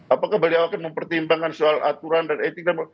apakah beliau akan mempertimbangkan soal aturan dan etik dan